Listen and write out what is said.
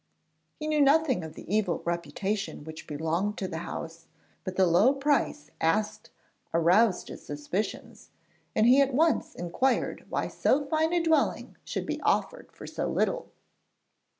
He knew nothing of the evil reputation which belonged to the house, but the low price asked aroused his suspicions, and he at once inquired why so fine a dwelling should be offered for so little.